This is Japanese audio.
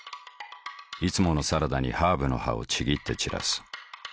いつものサラダにハーブの葉をちぎって散らす。